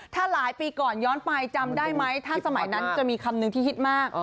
ถ้าหลายปีก่อนย้อนไปจำได้ไหมถ้าสมัยนั้นจะมีคำนึงที่ฮิตมาก